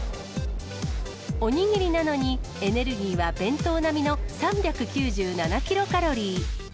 おにぎりなのに、エネルギーは弁当並みの３９７キロカロリー。